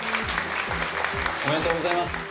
おめでとうございます。